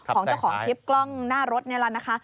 ของเจ้าของทิพย์กล้องหน้ารถแล้วนะค่ะ